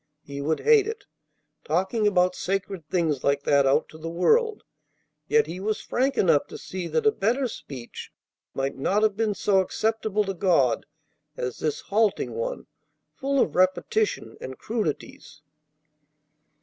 He would hate it, talking about sacred things like that out to the world; yet he was frank enough to see that a better speech might not have been so acceptable to God as this halting one full of repetition and crudities.